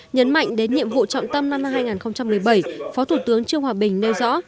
nhấn mạnh đến nhiệm vụ trọng tâm năm hai nghìn một mươi bảy phó thủ tướng trương hòa bình nêu rõ